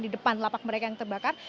di depan lapak mereka yang terbakar